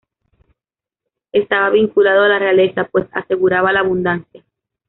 Estaba vinculado a la realeza pues aseguraba la abundancia.